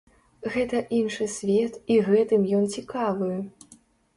Гэта іншы свет і гэтым ён цікавы.